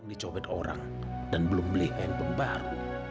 dicobet orang dan belum beli handphone baru